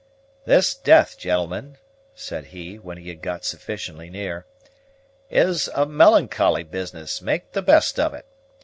"This death, gentlemen," said he, when he had got sufficiently near, "is a melancholy business, make the best of it.